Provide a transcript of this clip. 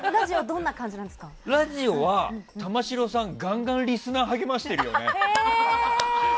ラジオは玉城さんガンガンリスナー励ましてるよね。